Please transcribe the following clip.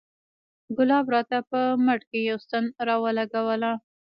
ګلاب راته په مټ کښې يوه ستن راولګوله.